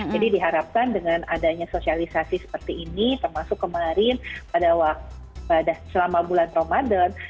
jadi diharapkan dengan adanya sosialisasi seperti ini termasuk kemarin pada selama bulan ramadan